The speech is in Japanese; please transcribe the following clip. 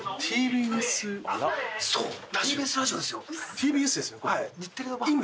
ＴＢＳですよ